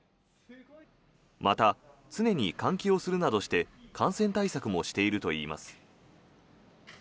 また、常に換気をするなどして感染対策もしているといいます。